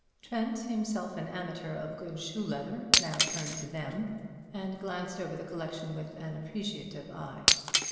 Trent, himself an amateur of good shoe leather, now turned to them, and glanced over the collection with an appreciative eye.